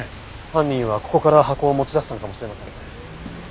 犯人はここから箱を持ち出したのかもしれませんね。